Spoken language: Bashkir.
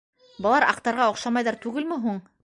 — Былар аҡтарға оҡшамайҙар түгелме һуң?